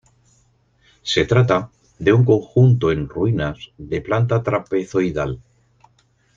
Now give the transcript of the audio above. Se trata de un conjunto en ruinas de planta trapezoidal.